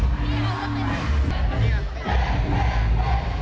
ไปท่องเที่ยวถ่ายภาพ